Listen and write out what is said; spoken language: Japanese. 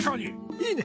いいね！